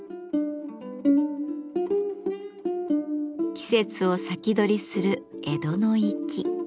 季節を先取りする江戸の粋。